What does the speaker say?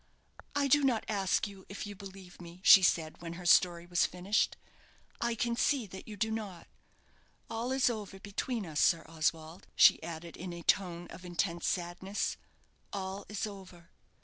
"I do not ask you if you believe me," she said, when her story was finished. "I can see that you do not. All is over between us, Sir Oswald," she added, in a tone of intense sadness "all is over.